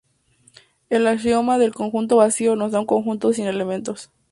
El axioma del conjunto vacío nos da un conjunto sin elementos.